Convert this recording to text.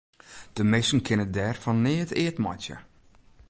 De minsken kinne dêr fan neat eat meitsje.